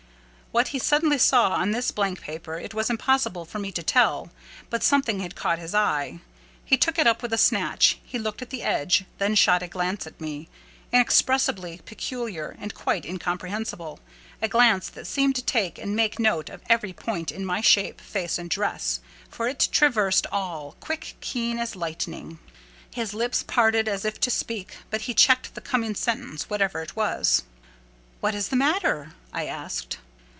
What he suddenly saw on this blank paper, it was impossible for me to tell; but something had caught his eye. He took it up with a snatch; he looked at the edge; then shot a glance at me, inexpressibly peculiar, and quite incomprehensible: a glance that seemed to take and make note of every point in my shape, face, and dress; for it traversed all, quick, keen as lightning. His lips parted, as if to speak: but he checked the coming sentence, whatever it was. "What is the matter?" I asked.